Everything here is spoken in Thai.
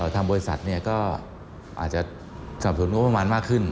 ทางบริษัทก็อาจจะสับสนุนงบประมาณมากขึ้น